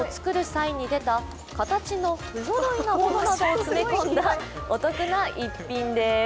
際に出た形の不ぞろいなものなどを詰め込んだお得な１品です。